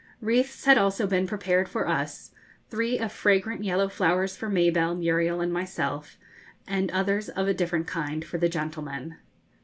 Wreaths had also been prepared for us, three of fragrant yellow flowers for Mabelle, Muriel, and myself, and others of a different kind for the gentlemen.